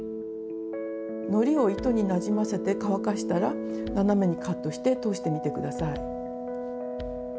のりを糸になじませて乾かしたら斜めにカットして通してみて下さい。